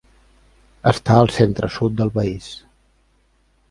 Està al centre-sud del país.